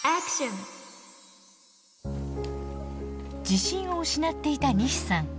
自信を失っていた西さん。